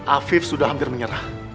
afif sudah hampir menyerah